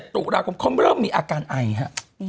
ตุลาคมเขาเริ่มมีอาการไอฮะ